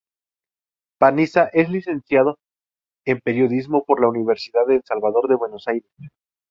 Panizza es licenciado en periodismo por la Universidad del Salvador de Buenos Aires.